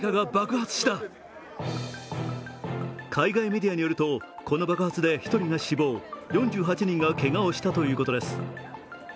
海外メディアによるとこの爆発で１人が死亡４８人がけがをしたということです。